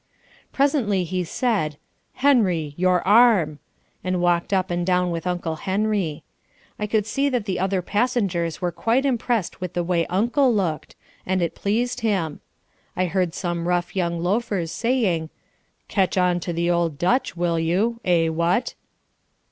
Presently he said, "Henry, your arm!" and walked up and down with Uncle Henry. I could see that the other passengers were quite impressed with the way Uncle looked, and it pleased him. I heard some rough young loafers saying, "Catch on to the old Dutch, will you? Eh, what?"